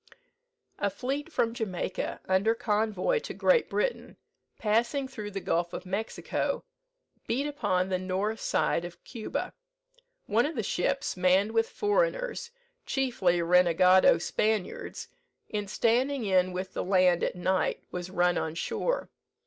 "A fleet from Jamaica, under convoy to Great Britain, passing through the Gulf of Mexico, beat upon the north side of Cuba. One of the ships, manned with foreigners (chiefly renegado Spaniards), in standing in with the land at night, was run on shore.